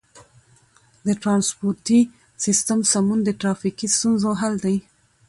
د ترانسپورتي سیستم سمون د ترافیکي ستونزو حل دی.